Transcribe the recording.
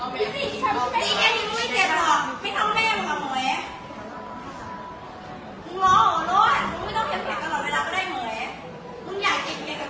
เพราะมึงเก็บต่อปุ๊กปุ๊กอ่อนเองมึงไม่กล้าทุกใครหรอก